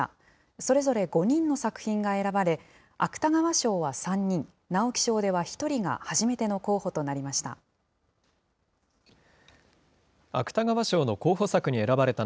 それぞれ５人の作品が選ばれ、芥川賞は３人、直木賞では１人が初めての候補となりました。